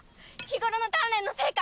日頃の鍛錬の成果！